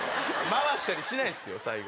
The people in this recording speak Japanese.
回したりしないですよ最後。